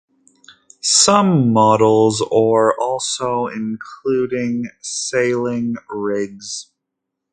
Some models or also including sailing rigs.